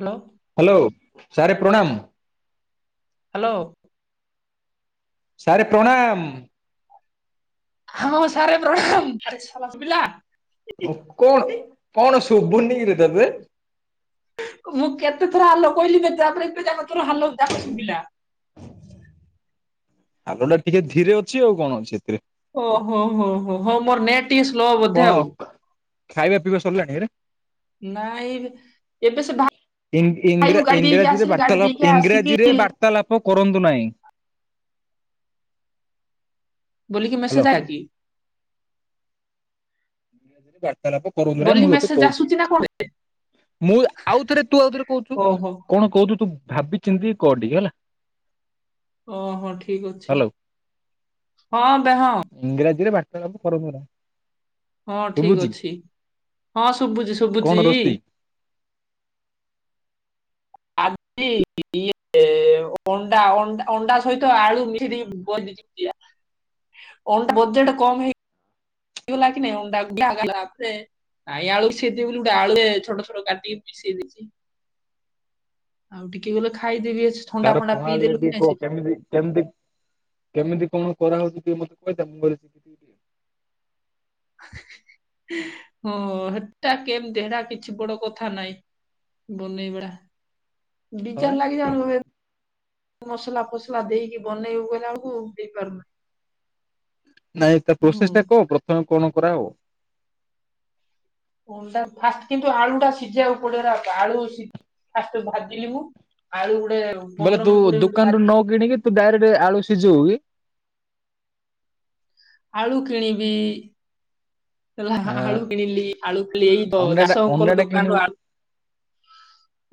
Hello hello, sir ପ୍ରଣାମ। Hello sir ପ୍ରଣାମ। ହଁ, ସାରେ ପ୍ରଣାମ, ପିଲା [unintelligible] କଣ, କଣ, ଶୁଭୁନି କିରେ ତତେ ମୁଁ କେତେ ଥର ଆଲ କହିଲି ବ ତାପରେ ଏ ଜା [unintelligible] ର ହାଲ ଯାକ ଶୁଭିଲା। ଆାଲୁ ଟା ଟିକେ ଧୀରେ ଅଛି ଆଉ କଣ ଅଛି ଏଥିରେ ଓହୋ, ହୋ ହୋ ହୋ ମୋର ନେଟ୍ ଟିକେ ସ୍ଲୋ ବୋଧେ କଣ ଆଉ ଖାଇବା ପିଇବା ସରିଲାଣିରେ ନାଇଁ, ଏବେ ସେ ଇଂ ଭାଇକୁ ଗାଡି ଦେଇକି ଇଂରାଜୀରେ ଆସିଲି ଗାଡି ବାର୍ତ୍ତାପ, ଦେଇକି ଆସିକି ଇଂରାଜୀରେ ବାର୍ତ୍ତାଳାପ କରନ୍ତୁ ନାହିଁ। ବୋଲି କି ହ୍ୟାଲୋ ମେସେଜ ଆଇଲା କି? ବାର୍ତ୍ତାଳାପ କରୁନ୍ତୁନାହିଁ, ବୋଲି ମୁଁ ତତେ ମେସେଜ କହୁଛି? ଆସୁଛି ନା କଣ ମୁଁ ଆଉଥରେ, ତୁ ଆଉଥରେ କହୁଛୁ, ଓହୋ କଣ କହୁଛୁ ତୁ ଭାବିଚିନ୍ତି କ ଟିକେ ହେଲା, ଓହୋ, ଠିକ ଅଛି, ହ୍ୟାଲୋ ହଁ ଦେହ ମରା [unintelligible] ହଁ ଠିକ ଅଛି, ହଁ ଶୁଭୁଛି, କଣ ଶୁଭୁଛି, ରୋଷେଇ କିଏ [unintelligible] ଅଣ୍ଡା ଅଣ୍ଡା ସହିତ ଆଳୁ [unintelligible] [unintelligible] ନାଇଁ ଆଳୁ ସିଜେନି ବୋଲି ଗୋଟେ ଆଳୁ ଛୋଟ ଛୋଟ କାଟିକି ମିଶେଇ ଦେଇଛି ଆଉ ଟିକେ ଗଲେ ଖାଇଦେବି ଥଣ୍ଡା ତାର ଫଣ୍ଡା ପ୍ରଣାଳୀ ପିଇଦେଲୁ କି ଟିକେ ନାଇଁ ସେ କହ, କେମିତି କଣ? କରାହଉଛି ଟ ମତେ କହଥା ମୁଙ୍ଗଛି କି ଦ [unintelligible] ହଁ ହେଟା କେମତି ହେରା କିଛି ବଡ କଥା ନାଇଁ ବନେଇ ଭଡା, ପ୍ରଥମେ ବିଚାର ଲାଗିଯାଇନ୍ ମସଲା ଫସଲା ଦେଇକି ବନେଇବ କଲେ ଆକୁ ଦେଇପାରୁନାହିଁ ନାଇଁ ତା ପ୍ରୋସେସ ଟା କହ ପ୍ରଥମେ କଣ କରାହବ? ଅଣ୍ଡା ଫାଷ୍ଟ କିନ୍ତୁ ଆଳୁ ଟା ସିଝିବାକୁ ପଡିବରେ ବାପା ଫାଷ୍ଟ ଭାଜିଲ ମୁୁ ଆଳୁ ଗୁ ବୋଇଲେ ତୁ ଦୋକାନରୁୁ ନ କିଣିକି ତୁ ଡାଇରେକ୍ଟ ଆଳୁ ସିଝିବୁ କି? ଆଳୁ କିଣିବି ହେଲା ଆଁ ଆଳୁ କିଣିଲି ଆଳୁ କିିଲ ଏଇ ଅଣ୍ଡାଟା ଦାସଙ୍କର ଅଣ୍ଡାଟା ଦୋକାନରୁ କିଣିବୁ ଆଳୁ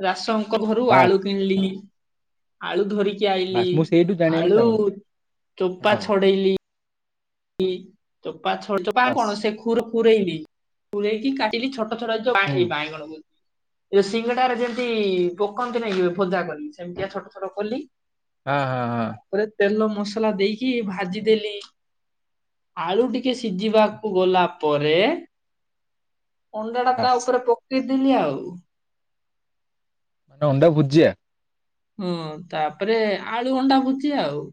ଦାସ ଙ୍କ ଘରୁ ଆଳୁ ବାସ୍ କିଣିଲି, ଆଳୁ ଧରିକି ଇଲି, ବାସ୍ ମୁଁ ସେଇଠୁ ଜାଣିବାକୁ ଆଳୁ ଚାହୁଁଛି। ଚୋପା ହଁ ଛଡେଇଲି ଚୋପା ଛ ଚୋପା ବାସ୍ କଣ ସେ ଖ ପରେଇନି ପୁରରେଇକି କାଟିଲି ଛୋଟ ହୁଁ ବାଇଗଣ ସିଙ୍ଗଡାରେ ଯେମତି ପୋକନ୍ତି ନାଇଁ ଭୋଜା କରିନ୍ତି ସେମିତିଆ ଛୋଟ ଛୋଟ କଲି, ହଁ ହଁ ହଁ ତାପରେ ତେଲ ମସଲା ଦେଇକି ଭାଜିଦେଲି ଆଳୁ ଟିକେ ସିଝିବାକୁ ଗଲା ପରେ ଅଣ୍ଡା ଟା ତା ବାସ୍। ଉପରେ ପକେଇଦେଲିି ଆଉ ମାନେ ଅଣ୍ଡା ଭୁଜିଆ ହଁ ତାପରେ ଆଳୁ ଅଣ୍ଡା ଭୁଜି ଆଉ।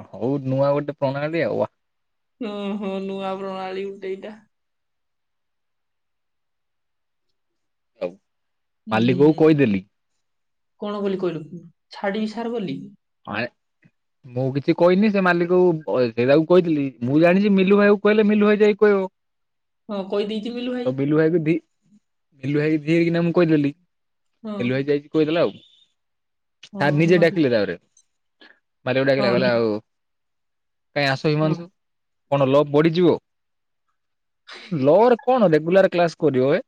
ଅ ହଉ ନୂଆ ଗୋଟେ ପ୍ରଣାଳୀ ଆଉ ହୁଁ ହୁଁ ନୁଆ ପ୍ରଣାଳୀ ଗୋଟେ ଏଇଟା। ହଉ ମାଲିକ କକୁ ହୁଁ କଇଦେଲି। କଣ ବୋଲି କହିଲୁ ଛାଡିବି ସାର ବୋଲି? ଆ ମୁଁ କିଛି କହିନି ସେ ମାଲିକକୁ ସେଇଟାକୁ କହିଥିଲି ମୁଁ ଜାଣିଛି ମିଲୁ ଭାଇ କହିଲେ ମିଲୁ ଭାଇ ଯାଇକି କହିବ। ହଉ କହି ଦେଇଚି ମିିଲୁ ଭାଇ ତ ବିଲୁ ଭାଇକୁ ଦି ମିଲୁ ଭାଇ ଥିରିକିନା ମୁଁ କଇଦେଲି ହଁ ମିଲୁ ଭାଇ ଯାଇକି କହିଦେଲା ଆଉ। ହଁ ସାର୍ ନିଜେ ହିମାଂଶୁ ଡାକିଲେ ତା ପରେ ମାଲିକ ହଁ ଡାକିଲା ନି କହିଲା ଆଉ କାଇଁ ଆସ ହଁ ହିମାଂଶୁ କଣ ଲୋକ ବଢିଯିବ? ଲର କଣ ରେଗୁଲାର କ୍ଲାସ କରିବ ଏଁ?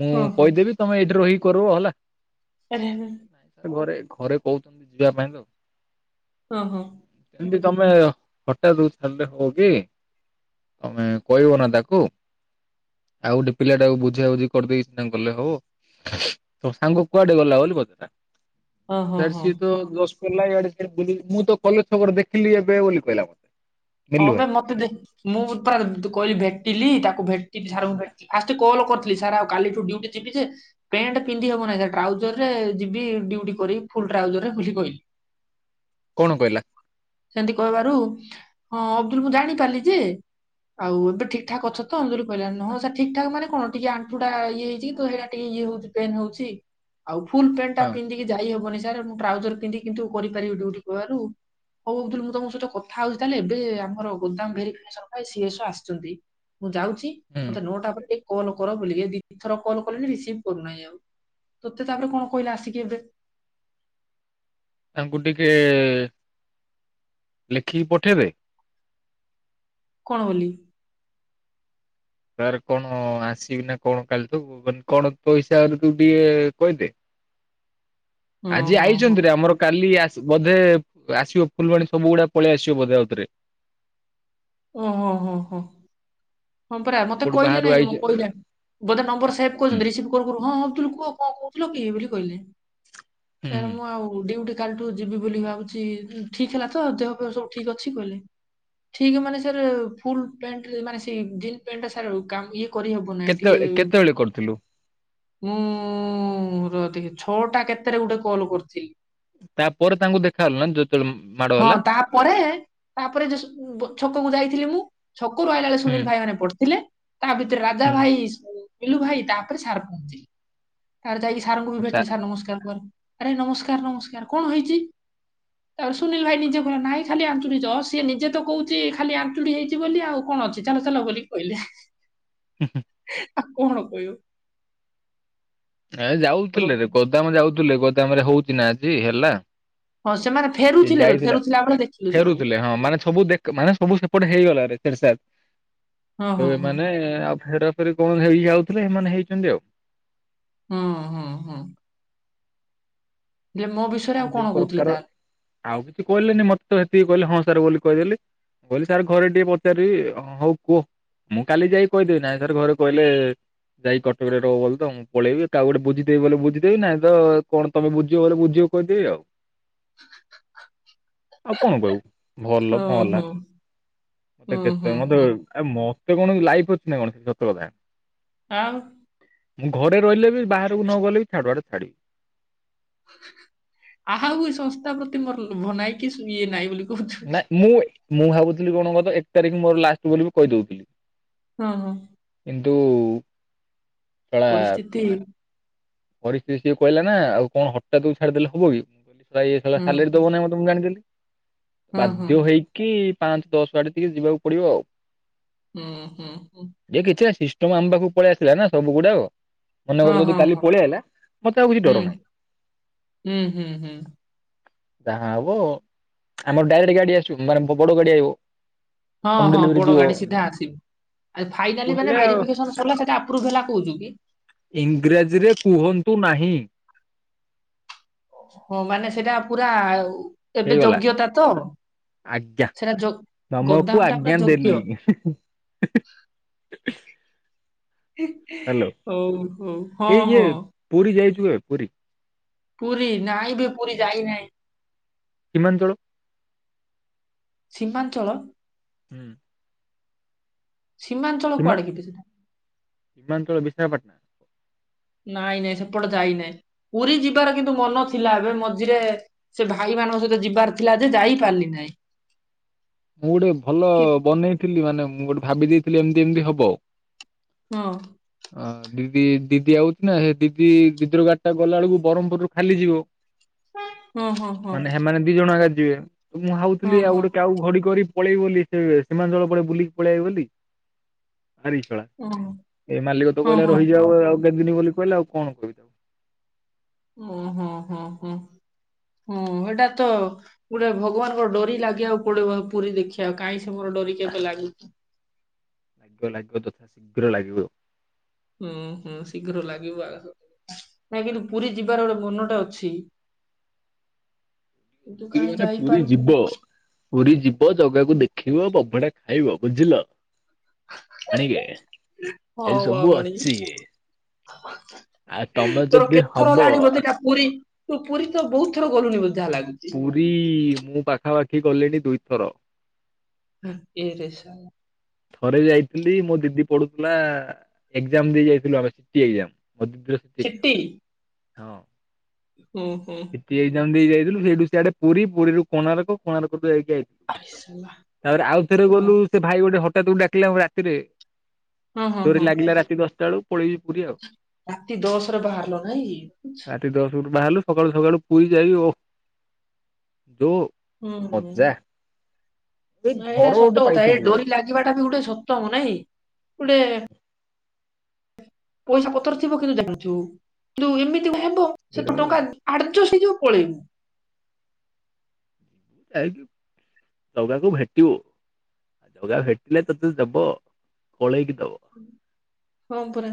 ମୁଁ ହଁ ହଁ କହିଦେବି ତମେ ଏଇଠି ରହି କରିବ ହେଲା ଆରେ ଆରେ [unintelligible] ଘରେ କହୁଚନ୍ତି ଯିବା ପାଇଁ ତ। ଅହୋ। ଏମିତି ତମେ ହଠାତ ଛାଡିଲେ ହବ କି? ତମେ କହିବ ନା ତାକୁ ଆଉ ଗୋଟେ ପିଲାଟାକୁ ବୁଝା ବୁଝି କରିଦେଇକି ସିନା ଗଲେ ହବ। ତମ ସାଙ୍ଗ କୁଆଡେ ଗଲା ବୋଲି କଥା। ଓହ ହ। [unintelligible] ମୁଁ ତ କଲେଜ ଛକର ଦେଖିଲି ଏବେ ବୋଲି କହିଲା। ହଁ ଭାଇ ମତେ ଦେ ମୁଁ ପୁରା କହିଲି ଭେଟିଲି ତାକୁ ଭେଟି ଠାରୁ ମୁଁ ଭେଟଚି ଫାର୍ଷ୍ଟ କଲ କରିଥିଲି ସାର୍ ଆଉ କାଲିଠୁ ଡଟି ଯିବି ଯେ ପ୍ୟାଣ୍ଟ ପିନ୍ଧି ହବ ନା ଟ୍ରାଉଜର ରେ ଯିବି ଡ୍ୟୁଟି କରି ଫୁଲ ଡ୍ରାଉଜରରେ ଖୁଲି କହିଲି। କଣ କହିଲା? ସେମିତି କହିବାରୁ ହଁ ଅବଦୁଲ ମୁଁ ଜାଣି ପାରିଲି ଯେ ଆଉ ଏବେ ଠିକ ଠାକ ଅଛ ତ ବୋଲି କହିଲା ନହଁ ସେ ଠିକ ଠାକ ମାନେ କଣ ଟିକେ ଆଣ୍ଠୁଟା ଇଏ ହେଇଛି ତୁ ହେଇରା ଇଏ ହଉଚି ପେନ୍ ହଉଚି। ଆଉ ଫୁଲ ପ୍ୟାଣ୍ଟ ଟା ହଁ ପିନ୍ଧିକି ଯାଇହବନି ସାର୍ ମୁଁ ଟ୍ରାଉଜର ପିନ୍ଧି କିନ୍ତୁ କରିପାରିବି ଡ୍ୟୁଟି କହିବାରୁ ହଉ ଅବଦୁଲ ମୁଁ ତମ ସହିତ କଥା ହଉଛି ତାହେଲେ ଏବେ ଆମର ଗୋଦାମ ଘର ଫସ ପାଇଁ ସିଏସ ଆସିଚନ୍ତି। ମୁଁ ଯାଉଚି ହୁଁ ମତେ ନଅଟା ପରେ ଟ କଲ୍ କର ବୁଲିକି ଦିି ଥର କଲ କ ରିସିଭ କରୁନାହିଁ ଆଉ ତତେ ତାପରେ କଣ କହିଲା ଆସିକି ଏବେ? ତାଙ୍କୁ ଟିକେ ଲେଖିକି ପଠେଇବେ କଣ ବୋଲି? ତାର୍ କଣ ଆସିବି ନା କଣ କାଲିଠୁ ମାନେ କଣ ପଇସା ତୁ ଟିକେ କହିଦେ ଆଜି ଓହୋ ହୋ ଆଇଚନ୍ତି ରେ ଆମର କାଲି ବୋଧେ ଆସିବ ଫୁଲବାଣୀ ସବୁ ଗୁଡା ପଳେଇ ଆସିବ ବଧେ ଆଉଥରେ। ଓହୋ ହୋ ହୋ। ହଁ ପରା ମତେ ଏପଟୁ କହିଲେ ବାହାରୁ ନାଇଁ ମୁଁ ଆଇଚି କହିଲେ ବୋଧେ ନମ୍ବର ସେଭ୍ ହୁଁ। କଛନ୍ତି ରିସିଭ କରୁୁ ହଁଁ। ଥିଲ କୁହ କଣ କହୁଥିଲ କିଏ ବୋଲି କହିଲେ ସାର୍ ହୁଁ ମୁଁ ଆଉ ଡି କାଲିଠୁ ଯିବି ବୋଲି ଭାବୁଚି ଠିକ ହେଲା ତ ଦେହ ସବୁ ଠିକ ଅଛି କହିଲେ। ଠିକ ମାନେ ସାର୍ ଫୁଲ ପ୍ୟାଣ୍ଟ ମାନେ ସେ ଯିନ୍ ପ୍ୟାଣ୍ଟା ସାର୍ ଗାମ୍ କରିହବ ନାହିଁ ଟିକେ କେତେବେଳେ କେତେବେଳେ କରିଥିଲୁ ମୁଁ ରୁହ ଟିକେ ଛଅଟା କେତେରେ ଗୋଟେ କଲ କରିଚି। ତାପରେ ତାଙ୍କୁ ଦେଖାହଲ ନା। ଯେତେବେଳେ ମାଡ ହଁ ହେଲା। ତାପରେ ତାପରେ [unintelligible] ଛକକୁ ଯାଇଥିଲି ମୁଁ। ଛକରୁ ଆଇିଲ ବେଳେ ହୁଁ ସୁନୀଲ୍ ଭାଇ ମାନେ ପଢିଥିଲେ। ତା ଭିତରେ ରାଜା ହୁଁ ଭାଇ ବିଲୁ ଭାଇ ତାପରେ ସାର ପହଞ୍ଚିଲି ତାର ଯାଇକି ଇ ସାର୍ ଙ୍କୁ ବି ସା ଭେଟିଲି ସାର୍ ନମସ୍କାରେ କଇ ଆରେ ନମସ୍କାରେ ନମସ୍କାରେ କଣ ହେଇଚି ଚାପରେ ସ୍କୁ ସୁନୀଲ ଭାଇ ନିଜେ କଇଲା ନାଇଁ ଖାଲି ଆଞ୍ଚୁଳି ସିଏ ନିଜେ ତ କହୁଛି ଖାଲି ଆଞ୍ଚୁଡ଼ି ହେଇଛି ବୋଲି ଆଉ କଣ ଅଛି ଚାଲ ଚାଲ ବୋଲି କହିଲେ। ହୁ ହୁ ଆଉ କଣ କଇବୁ ଏ ଯାଉଥିଲେରେ ଗୋଦାମ ଯାଉଥିଲେ ଗୋଦାମରେ ହଉଚି ନା ଆଜି ହେଲା ହଁ ସେମାନେ ସେ ଫେରୁଥିଲେ ବେ ଯାଇଥିଲା ଫେରୁଥିଲା ବେଳେ ଦେଖିଲୁ ସବୁ ଫେରୁଥିଲେ ହଁ ମାନେ ସବୁ ଦେଖ ମାନେ ସବୁ ସେପଟେ ହେଇଗଲା ରେ ହେଡ଼୍ ସାର୍ ହଁ ହଁ ଏ ହଁ। ମାନେ ଆଉ ଫେର ଫେରେ କଣ ହେଇ ଯାଉଥିଲେ ସେମାନେ ହେଇଛନ୍ତି ଆଉ। ହୁଁ ହୁଁ ହୁଁ। ହେଲେ ମୋ ବିଷୟରେ ଆଉ ଯୋଉ କଣ କହୁଥିଲେ ପ୍ରକାର ତାହେଲେ ଆଉ କିଛି କହିଲେନି ମତେ ତ ଏତିକି କହିଲେ ହଁ ସାର୍ ବୋଲି କହିଦେଲି। ମୁଁ କହିଲି ସାର୍ ଘରେ ଟିକେ ପଚାରିବି ହଉ କୁହ। ମୁଁ କାଲି ଯାଇକି କହିଦେବି ନାହିଁ ସାର୍ ଘରେ କହିଲେ ଯାଇ କଟକରେ ରହୁ ବୋଲି ତ ମୁଁ ପଳେଇବିଉ ଗୋଟେ ବୁଝିଦେବି ବୋଲି ବୁଝିଦେଇଁ ନାଇଁ ତ କଣ ତମେ ବୁଝିବ ବୋ ବୁଝିବ କହିଦେବି ଆଉ [inaudible] ଆଉ କଣ କଇବୁ ଭଲ ଭଲା ଓହୋ ହୁଁ ମତେ ହୁଁ କେତେ ମତେ ହୁଁ। ଆ ମତେ କଣ ଲାଇଫ୍ ଅଛି ନା କଣ ସେ ସତ କଥା ଆଉ ମୁଁ ଘରେ ରହିଲେ ବି ବାହାରକୁ ନ ଗଲେ ବି ଛାଡ଼ୁ ଆଡ଼େ ଛାଡ଼ିବି। ଆଉ ଏଇ ସଂସ୍ଥା ପ୍ରତି ମୋର ଲୋଭ ନାହିଁ କି ଇଏ ନାଇଁ ନାଇଁ ମୁଁ ମୁଁ ଭାବୁଥିଲି କଣ ତ ଏକ ତାରିଖ ମୋର ଲାଷ୍ଟ ବୋଲି କହିଦଉଥିଲି। ହଁ ହଁ। କିନ୍ତୁ। ଶଳା ପରିସ୍ଥିତି ପରିସ୍ଥିତି ସିଏ କହିଲା ନା ଆଉ କଣ ହଠାତ୍ କୁ ଛାଡିଦେଲେ ହବ କି ମୁଁ କହିଲି ଆ ଇଏ ସଳା ହୁଁ ସାଲେରି ଦବ ନାହିଁ ମତେ ମୁଁ ଯାଣିଦେଲି ହୁଁ ହୁଁ ବାଧ୍ୟ ହେଇକି ପାଞ୍ଚ ଦଶ ଆଡ଼େ ଟିକେ ଯିବାକୁ ପଡ଼ିବ ଆଉ। ହୁଁ ହୁଁ ହୁଁ। ତମ ଆମ ପାଖକୁ ପଳେଇ ଆସିଲା ନାଁ ସବୁ ଗୁଡ଼ାକ। ହଁ ହଁ ହଁ ମତେ ଆଉ କିଛି ହୁଁ ଡର ନାହିଁ ହୁଁ ହୁଁ ହୁଁ। ଯାହା ହବ ଆମର ଡାଇରେକ୍ଟ ଗାଡ଼ି ଆସିବ ମାନେ ବଡ଼ ଗାଡ଼ି ଆଣିବ। ହଁ ହଁ ବଡ଼ ଗାଡି ସିଧା ଆସିବ। ଆ ଫାଇଦାଲି ହେଲେ ମାନେ ଆଉ ଭେରିଫିକେସନ୍ ସେଟା ଆପ୍ରୁବୁ୍ ହେଲା କଉଚୁକି। ଇଂରାଜୀରେ କୁହନ୍ତୁ ନାହିଁ। ହଁ ମାନେ ସେଇଟା ପୁରା ଉ ଏବେ ହେଇଗଲା ଯୋଗ୍ୟତା ତ ଆଜ୍ଞା ସେଟା ଯ ତମକୁ ଗୋଦ୍ଦାମ ଟା ଆଜ୍ଞା ପୁରା ଯୋଗ୍ୟ ଦେଲି [inaudible] ହ୍ୟାଲୋ। ହଉ ହଉ ହଁ ହଁ। ଜିବା ପୁରୀ ପୁରୀ ନାଇଁ ବେ ପୁରୀ ଯାଇନାହିଁ। ସୀମାଞ୍ଚଳ ସୀମାଞ୍ଚଳ ହୁଁ। ସୀମାଞ୍ଚଳ କୁଆଡ଼େ କିିରେ ସେଟା। ବିମାନଞ୍ଚଳ ବିଶାଖାପାଟଣା ନାଇଁ ନାଇଁ ସେପଟେ ଯାଇ ନାହିଁ ପୁରୀ ଯିବାର କିନ୍ତୁ ମନ ଥିଲା ଏବେ ମଝିରେ ସେ ଭାଇ ମାନଙ୍କ ସହିତ ଯିବାର ଥିଲା ଯେ ଯାଇ ପାରିଲି ନାହିଁ। ମୁଁ ଗୋଟେ ଭଲ କି ବନେଇଥିଲି। ମାନେ ମୁଁ ଗୋଟେ ଭାବି ଦେଇଥିଲି, ଏମିତି ଏମିତି ହବ। ହଁ। ଅ ଦିଦି ଦିଦି ଆଉଛି ନା ସେ ଦିଦି ଦିଦିର ଗାଡି ଟା ଗଲାଅଳକୁ ବ୍ରହ୍ମପୁରରୁ ଖାଲି ଯିବ। ହଁ ହଁ ହଁ ମାନେ ହେମାନେ ଦି ଜଣ ଆଗା ଯିବେ। ମୁଁ ହଁ ହାଉଥିଲି ଆଉ ହଁ ଗୋଟେ କହାକୁ ଘଡି କରି ପଳେଇ ବୋଲି ସେ ସୀମାଞ୍ଚଳ ପଡେ ବୁଲିକି ପଳେଆଇବ ବୋଲି। ହାରିଶଳା ହଁ ଏ ମାଲିକ ତ ହଁ କହିଲା ହଁ। ରହି ଯାଅ ଆଉ ଦେବିନି ବୋଲି କହିଲା, ଆଉ କଣ କହିବି ତାକୁ? ହଁ ହଁ ହଁ ହଁ। ହଁ, ଏଟା ତ ଗୋଟେ ଭଗବାନଙ୍କ ଡୋରି ଲାଗିବା ଆ ପୋଡେ ପୁରୀ ଦେଖିବାକୁ କାହିଁ ଏ ମର ଡରିକେବେ ଲାଗୁଛି? ଲାଗିବ ଲାଗିବ ତଥା ଶୀଘ୍ର ଲାଗିବ। ହୁଁ, ହୁଁ ଶୀଘ୍ର ଲାଗିବ ଆଉ ନାଇଁ କିନ୍ତୁ ପୁରୀ ଯିବାର ଗୋଟେ ମନ ତ ଅଛି। କିନ୍ତୁ କି କାହିଁ ମାନେ ପୁରୀ ଯିବ ଯାଇପାରୁଥିଲୁ ପୁରୀ ଯିବ ଜାଗାକୁ ଦେଖିବ। ବବ୍ ମୋଟେ ଖାଇବ ବୁଝିଲ, ଆଣିବେ ଏ ହଁ ସବୁ ବାବାଣୀ ଅଚି-ଇ। ଆ ତମେ ତୋର ଯଦି କେତେଥର ହବ ହେଲାଣି ବୋଧେ ଏଟା ପୁରୀ ତୁ ପୁରୀ ତ ବହୁତ ଥର ଗଲୁଣି ବ ପୁରୀ-ଇ, ମୁଁ ପାଖାପାଖି ଗଲିଣି ଦୁଇଥର। ହ ଏରେ ସାଲା। ଥରେ ଯାଇଥିଲି ମୋ ଦିଦି ପଢୁଥିଲା, ଏକ୍ଜାମ ଦେଇ ଯାଇଥିଲୁ ଆମେ। C T exam. ମ ଦିଦି ର ସି ତି ଏକ୍ଜାମ। ଛିଟି ହଁ, ହୁଁ ହୁଁ। ସିଟି ଏକ୍ଜାମ ଦେଇ ଯାଇଥିଲୁ, ସେଇଠୁ ସିଆଡେ ପୁରୀ ପୁରୀରୁ କୋଣାର୍କ କୋଣାର୍କରୁ ଯାଇଥିଲୁ ଯାଇ, ଆରେ ଶାଳା ତାପରେ ଆଉ ଥେରେ ଗଲୁ ସେ ଭାଇ ଗୋଟେ ହଠାତ୍ କୁ ଡାକିଲା ରାତିରେ। ହଁ ହଁ ଡୋରି ହଁ ଲାଗିଲା ରାତି ଦଶଟାଳୁ, ପଳେଇବି ପୁରୀ ଆଉ। ରାତି ଦଶରେ ବାହାରିଲ ନାଇଁ? ରାତି ଦଶରୁ ବାହାରିଲୁ ସକାଳୁ ସକାଳୁ ପୁରୀ ଯାଇ, ଓଃ! ଯଉ ହୁଁ ହୁଁ। ମଜା। ଏଇ ନା ଏଇଟା ଘର ଗୋଟେ ସତ କଥା ଏଇ ପାଇଥିଲୁ ରେ ଡୋରି ଲାଗିବାଟା ବି ଗୋଟେ ସତ ମଁ ନାଇଁ ଗୁଟେ ପଇସା ପତର ଥିବ କିନ୍ତୁ ଜାଣିଥିବୁ! କିନ୍ତୁ ଏମିତି ଭାବ ସେତେ ଟଙ୍କା ଆଡ଼ରେ ଯଉ ସେ ଯଉ ପଲେଇମୁଁ। ଯାଇକି ଦଗାକୁ ଭେଟିବୁ। ଆଉ ଜଗା ଭେଟିଲେ ତତେ ଦବ। କଳେଇକି ଦବ ହଁ ପରା!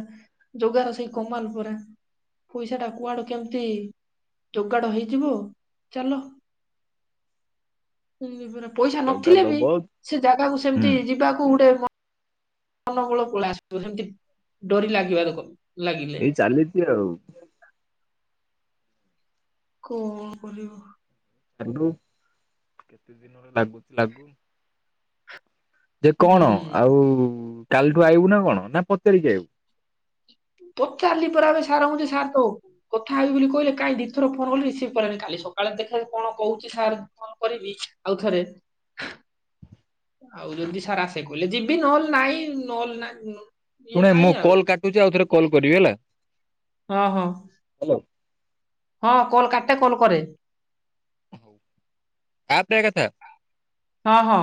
ଜଗା ର ସେଇ କମାଲ୍ ପରା। ପଇସା ଟା କୁଆଡୁ କେମତି? ଯୋଗାଡ ହେଇଯିବ ଚାଲ। [unintelligible] ପରା ପଇସା ଜଗା ନଥିଲେବି! ଦବ ସେ ଜାଗାକୁ ହୁଁ ସେମିତି ଯିବାକୁ ଉଡେ ମ ଅନୂକୁଳ ପୁଳା ଆସିବ। ହେମତି ଡୋରି ଲାଗିବା ରକମ। ଏଇ ଚାଲିଛି ଆଉ। କଁ କରିବ? ଚାଲୁ କେତେ ଦିନରେ ଲାଗୁଛି ଲାଗୁ। ଯେ କଣ, ହୁଁ ଆଉ କାଲିଠୁ ଆଇବୁ ନା କଣ ନା ପଚାରିକି ଆଇବୁ? ପଚାରିଲି ପରା ଏବେ ସାର୍ ଙ୍କୁ, ଯେ ସାର୍ ତ କଥା ହେବି ବୋଲି କହିଲେ, କାହିଁ ଦିଇଥର ଫୋନ କଲେ ରିସିଭ୍ କଲେନି କାଲି। ସକାଳେ ଦେଖା କଣ କହୁଛି ସାର୍ କଣ କରିବି ଆଉଥରେ? ଆଉ ଯଦି ସାର୍ ଆସେ କହିଲେ, ଯିବି ନହଲେ ନାହିଁ ନହଲେ ନାଇଁ ନ ଶୁଣେ, ମୁଁ କଲ୍ କାଟୁଛି। ଆଉ ଥରେ କଲ୍ କରିବି ହେଲା। ହଁ ହଁ। ହ୍ୟାଲୋ। ହଁ କଲ୍ କାଟେ। କଲ୍ କରେ। ଉହୁଁ! ଆପକେ କଥା। ହଁ ହଁ।